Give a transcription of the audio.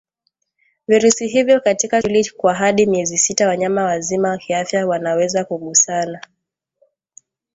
virusi hivyo katika kivuli kwa hadi miezi sita Wanyama wazima kiafya wanaweza kugusana